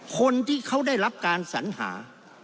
คนที่เขาได้รับการสัญหา